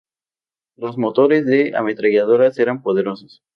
Los motores de ametralladoras eran poderosos.